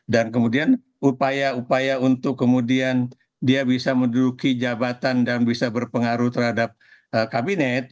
dan kemudian upaya upaya untuk kemudian dia bisa menduduki jabatan dan bisa berpengaruh terhadap kabinet